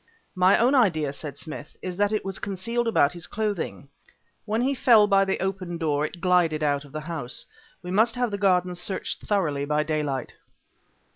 "My own idea," said Smith, "is that it was concealed about his clothing. When he fell by the open door it glided out of the house. We must have the garden searched thoroughly by daylight."